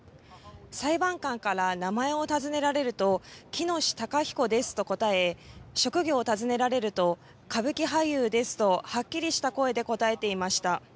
裁判官から名前を尋ねられると喜熨斗孝彦ですと答え職業を尋ねられると歌舞伎俳優ですとはっきりした声で答えていました。